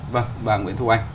vâng bà nguyễn thu anh